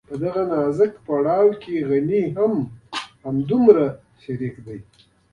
په دغه نازک پړاو کې غني هم همدومره شريک دی.